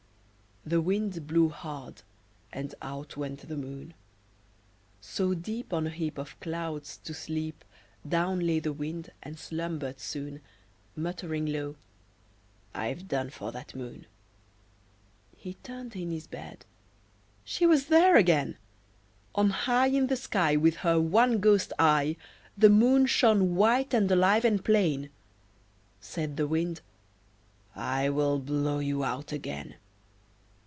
The Wind blew hard, and out went the Moon. So deep, On a heap Of clouds, to sleep, Down lay the Wind, and slumbered soon Muttering low, "I've done for that Moon." He turned in his bed; she was there again! On high In the sky With her one ghost eye, The Moon shone white and alive and plain. Said the Wind "I will blow you out again."